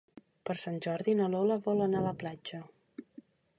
Per Sant Jordi na Lola vol anar a la platja.